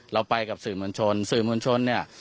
เราไปกับสื่อมวลชนสื่อมวลชนเนี่ย